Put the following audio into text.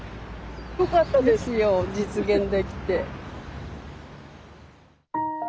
よかったですよ実現できて。